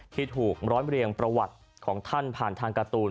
ที่ถูกร้อยเรียงประวัติของท่านผ่านทางการ์ตูน